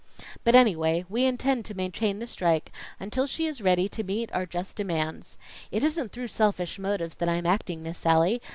But anyway, we intend to maintain the strike, until she is ready to meet our just demands. It isn't through selfish motives that I am acting, Miss Sallie.